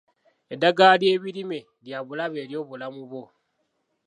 Eddagala ly'ebirime lya bulabe eri obulamu bwo.